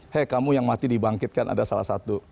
hei kamu yang mati dibangkitkan ada salah satu